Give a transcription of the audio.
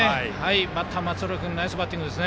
バッター松浦君ナイスバッティングです。